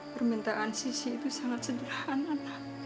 permintaan sisi itu sangat sederhana